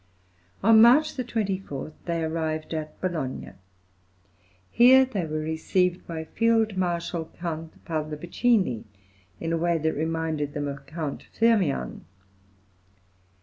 On March 24 they arrived at Bologna. Here they were received by Field Marshal Count Pallavicini in a way that reminded them of Count Firmian.